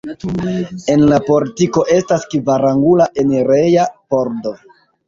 En la portiko estas kvarangula enireja pordo.